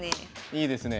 いいですね。